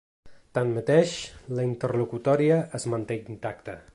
Tanmateix, la interlocutòria es manté intacta.